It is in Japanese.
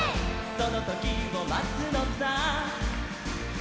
「そのときをまつのさ」